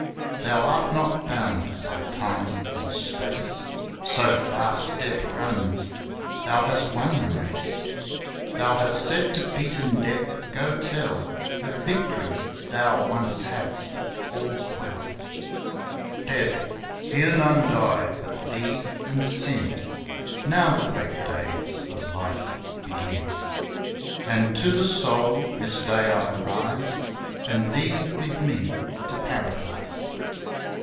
Thou art not bound by Time or Space : So fast Death runs : Thou hast won the race. Thou hast said to beaten Death : Go tell Of victories thou once hadst. AU's well ! 52 FLOWER OF YOUTH Death, here none die hut thee and Sin Now the great days of Life begin. And to the Soul : This day I rise And thee with Me to Paradise.